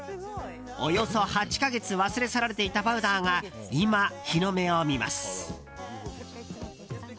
およそ８か月忘れ去られていたパウダーが今、日の目を見ます。